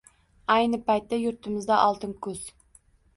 Ayni paytda yurtimizda oltin kuz